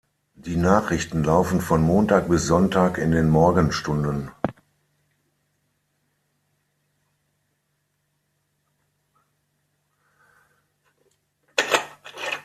Die Nachrichten laufen von Montag bis Sonntag in den Morgenstunden.